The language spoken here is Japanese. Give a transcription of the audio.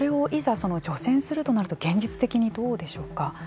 除染するとなると現実的にどうでしょうか。